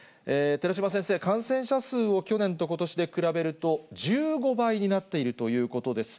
寺嶋先生、感染者数を去年とことしで比べると、１５倍になっているということです。